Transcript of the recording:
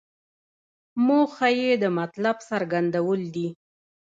موخه یې د مطلب څرګندول دي.